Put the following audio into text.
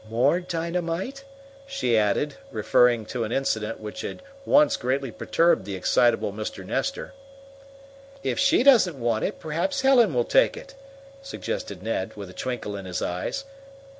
"More dynamite?" she added, referring to an incident which had once greatly perturbed the excitable Mr. Nestor. "If she doesn't want it, perhaps Helen will take it," suggested Ned, with a twinkle in his eyes.